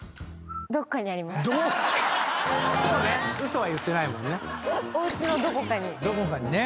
そうね。